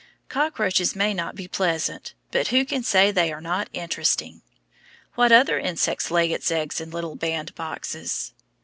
Cockroaches may not be pleasant, but who can say they are not interesting? What other insect lays its eggs in little bandboxes?